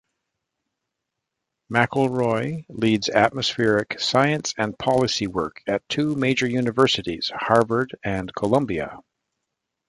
McElroy leads atmospheric science and policy work at two major universities, Harvard and Columbia.